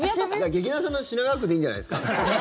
劇団さんの品川区でいいんじゃないですか？